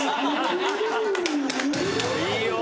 いいよ！